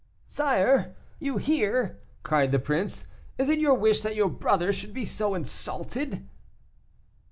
"Sire! you hear," cried the prince, "is it your wish that your brother should be insulted?"